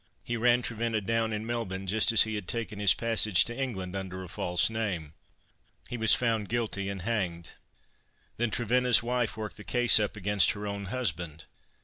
He ran Trevenna down in Melbourne, just as he had taken his passage to England under a false name. He was found guilty, and hanged." "Then Trevenna's wife worked the case up against her own husband?